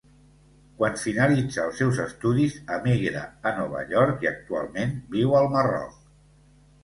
Quan finalitza els seus estudis emigra a Nova York i actualment viu al Marroc.